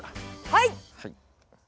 はい。